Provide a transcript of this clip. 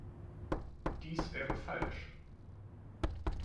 Dies wäre falsch!